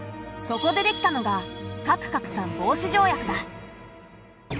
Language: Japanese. そこでできたのが核拡散防止条約だ。